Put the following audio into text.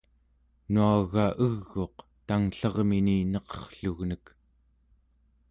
nuaga eg'uq tangllermini neqerrlugnek